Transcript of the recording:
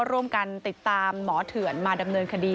ร่วมกันติดตามหมอเถื่อนมาดำเนินคดี